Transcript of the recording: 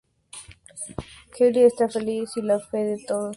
Kyle está feliz, y la fe de todos los miembros de Slash se restablece.